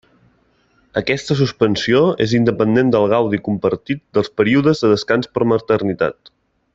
Aquesta suspensió és independent del gaudi compartit dels períodes de descans per maternitat.